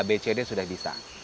abcd sudah bisa